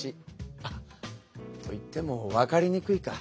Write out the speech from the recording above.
あっと言ってもわかりにくいか。